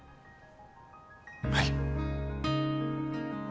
はい。